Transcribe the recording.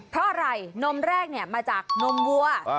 เพราะอะไรนมแรกมาจากนมวัว